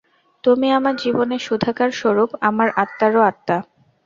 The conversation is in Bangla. তুমি আমার জীবনের সুধাকর-স্বরূপ, আমার আত্মারও আত্মা।